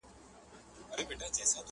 جهاني زما په قسمت نه وو دا ساعت لیکلی؛